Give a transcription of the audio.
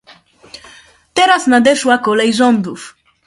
Teraz nadeszła kolej rządów